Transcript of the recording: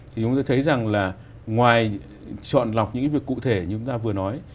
thì chúng tôi thấy rằng là ngoài chọn lọc những cái việc cụ thể như chúng ta vừa nói